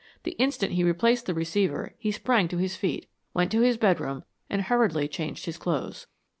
The instant he replaced the receiver he sprang to his feet, went to his bedroom, and hurriedly changed his clothes.